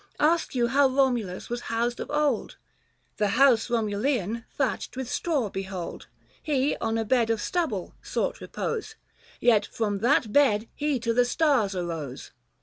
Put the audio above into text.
Ask you how Eomulus was housed of old ? The House Romulean thatched with straw behold. He on a bed of stubble sought repose, Yet from that bed lie to the stars arose.